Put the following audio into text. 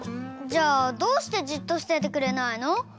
じゃあどうしてじっとしててくれないの？